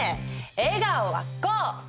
笑顔はこう！